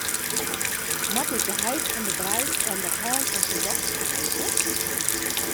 Moat ik de heit fan de breid om de hân fan syn dochter freegje?